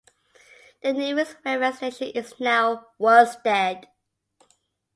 The nearest railway station is now Worstead.